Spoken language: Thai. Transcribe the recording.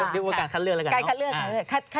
เรียกว่าการคัดเลือกแล้วกันเนอะ